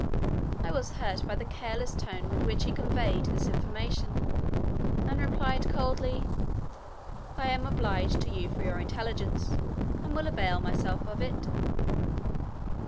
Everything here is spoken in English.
I was hurt by the careless tone with which he conveyed this information, and replied coldly: "I am obliged to you for your intelligence, and will avail myself of it."